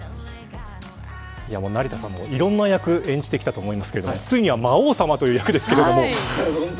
成田さんも、いろんな役演じてきたと思いますけどついには魔王様という役ですけど。